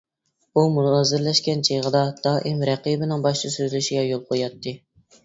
ئۇ مۇنازىرىلەشكەن چېغىدا، دائىم رەقىبىنىڭ باشتا سۆزلىشىگە يول قوياتتى.